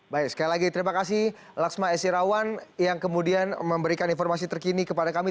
baik sekali lagi terima kasih laksma s irawan yang kemudian memberikan informasi terkini kepada kami